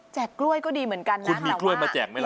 กล้วยก็ดีเหมือนกันนะคุณมีกล้วยมาแจกไหมล่ะ